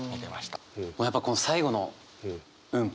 やっぱこの最後の「うん」。